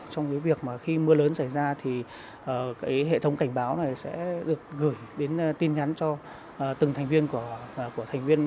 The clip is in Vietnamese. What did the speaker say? trong việc khi mưa lớn xảy ra hệ thống cảnh báo sẽ được gửi đến tin nhắn cho từng thành viên của thành viên